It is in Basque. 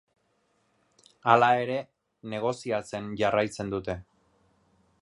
Hala ere, negoziatzen jarraitzen dute.